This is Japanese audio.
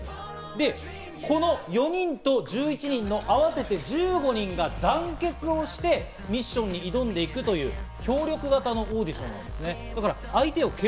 で、この４人と１１人の合わせて１５人が団結をしてミッションに挑んでいくという協力型のオーディションなんですね。